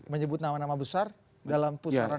menyebut nama nama besar dalam pusaran